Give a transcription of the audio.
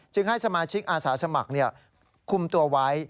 ให้สมาชิกอาสาสมัครคุมตัวไว้